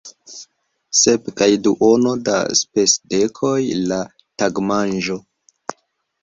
Sep kaj duono da spesdekoj la tagmanĝo!